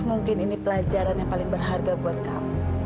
mungkin ini pelajaran yang paling berharga buat kamu